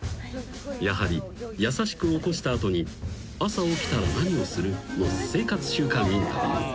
［やはり優しく起こした後に「朝起きたら何をする？」の生活習慣インタビュー］